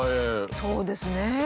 そうですね。